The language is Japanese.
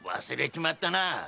忘れちまったな